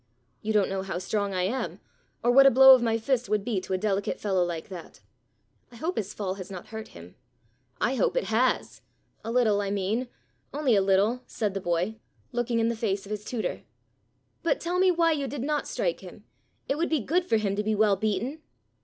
You don't know how strong I am, or what a blow of my fist would be to a delicate fellow like that. I hope his fall has not hurt him." "I hope it has a little, I mean, only a little," said the boy, looking in the face of his tutor. "But tell me why you did not strike him. It would be good for him to be well beaten."